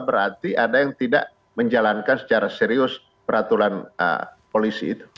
berarti ada yang tidak menjalankan secara serius peraturan polisi itu